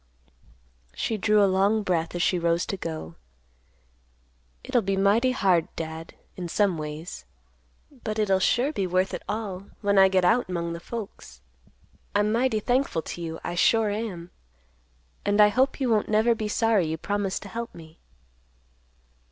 She drew a long breath as she rose to go. "It'll be mighty hard, Dad, in some ways; but it'll sure be worth it all when I get out 'mong the folks. I'm mighty thankful to you, I sure am. And I hope you won't never be sorry you promised to help me."